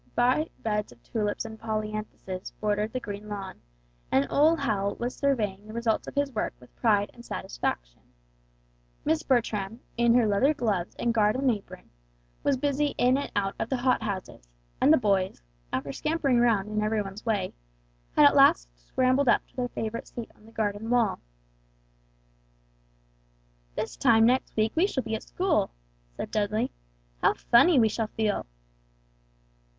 Bright beds of tulips and polyanthuses bordered the green lawn, and old Hal was surveying the results of his work with pride and satisfaction. Miss Bertram, in her leather gloves and garden apron, was busy in and out of the hothouses; and the boys, after scampering round in every one's way, had at last scrambled up to their favorite seat on the garden wall. "This time next week we shall be at school," said Dudley; "how funny we shall feel!"